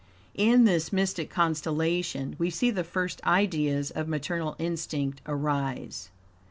In this mystic constellation, we see the first ideas of maternal instinct arise.